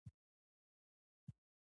يو څه چې پاتې دي